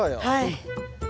はい。